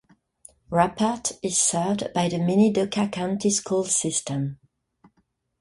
Rupert is served by the Minidoka County Schools system.